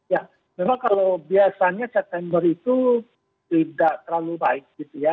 ya memang kalau biasanya september itu tidak terlalu baik gitu ya